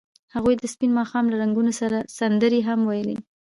هغوی د سپین ماښام له رنګونو سره سندرې هم ویلې.